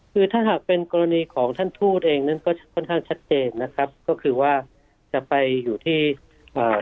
คือถ้าหากเป็นกรณีของท่านทูตเองนั้นก็ค่อนข้างชัดเจนนะครับก็คือว่าจะไปอยู่ที่อ่า